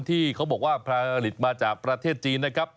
ที่เขาบอกว่าแพร่ผลิตมาจากประเทศจีนนะครับ